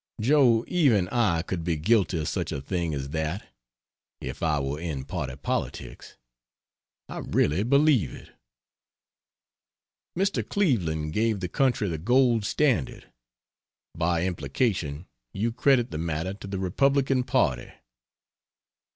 Joe, even I could be guilty of such a thing as that if I were in party politics; I really believe it. Mr. Cleveland gave the country the gold standard; by implication you credit the matter to the Republican party.